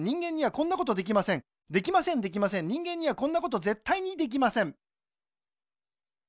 できませんできません人間にはこんなことぜったいにできません